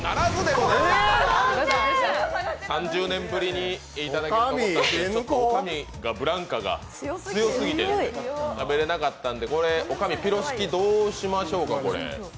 ３０年ぶりにいただこうと思ったら女将のブランカが強すぎて食べれなかったので女将、ピロシキどうしましょうか？